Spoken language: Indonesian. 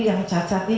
tapi yang cacat ini loh